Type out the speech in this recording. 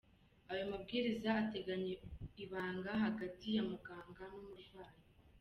Ayo mabwiriza ateganya ibanga hagati ya muganga n'umurwayi.